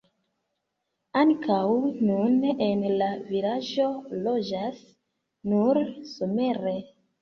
Ankaŭ nun en la vilaĝo loĝas nur somere.